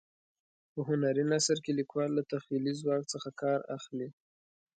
په هنري نثر کې لیکوال له تخیلي ځواک څخه کار اخلي.